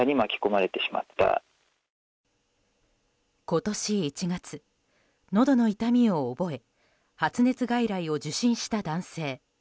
今年１月、のどの痛みを覚え発熱外来を受診した男性。